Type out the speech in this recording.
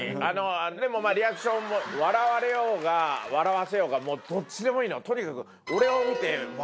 でもリアクションも笑われようが笑わせようがどっちでもいいのとにかく。